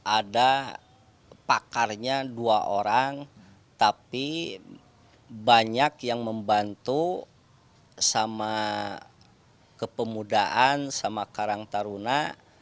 ada pakarnya dua orang tapi banyak yang membantu sama kepemudaan sama karang taruna